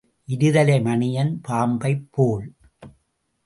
இருதலை மணியன் பாம்பைப் போல்.